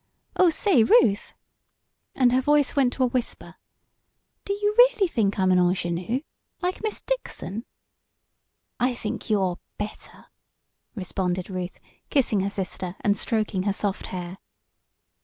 "Oh, say, Ruth," and her voice went to a whisper, "do you really think I'm an ingenue like Miss Dixon?" "I think you're better!" responded Ruth, kissing her sister, and stroking her soft hair.